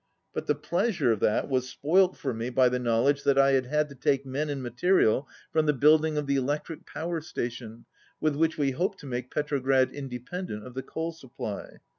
But the pleasure of that was spoilt for me by the knowl edge that I had had to take men and material from the building of the electric power station, with which we hope to make Petrograd independent of the coal supply.